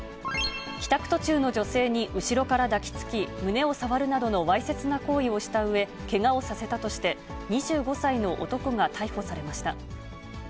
帰宅途中の女性に後ろから抱きつき、胸を触るなどのわいせつな行為をしたうえ、けがをさせたとして、２５歳の男が逮捕されました。